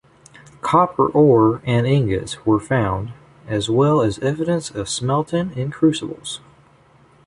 Copper ore and ingots were found as well as evidence of smelting in crucibles.